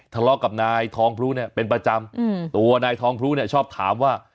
ทะเลาะกับนายทองพลุเนี่ยเป็นประจำตัวนายทองพลุเนี่ยชอบถามว่า